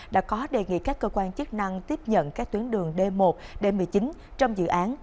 đã có đề nghị các cơ quan chức năng tiếp nhận các tuyến đường d một d một mươi chín trong dự án